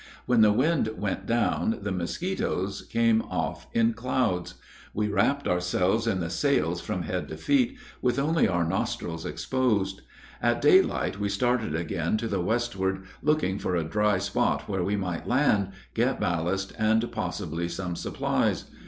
When the wind went down, the mosquitos came off in clouds. We wrapped ourselves in the sails from head to feet, with only our nostrils exposed. At daylight we started again to the westward, looking for a dry spot where we might land, get ballast, and possibly some supplies.